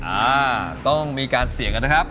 อ่าต้องมีการเสี่ยงกันนะครับ